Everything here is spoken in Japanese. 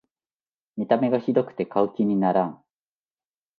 見た目がひどくて買う気にならん